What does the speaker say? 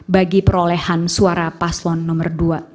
bagi perolehan suara paslon nomor dua